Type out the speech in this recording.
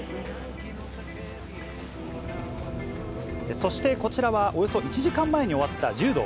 そして、こちらはおよそ１時間前に終わった柔道。